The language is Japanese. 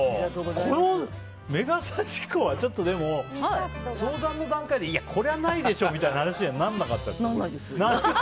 このメガ幸子は相談の段階でこれはないでしょみたいな話にはならなかったですか？